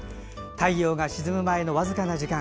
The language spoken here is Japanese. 太陽が沈む前の僅かな時間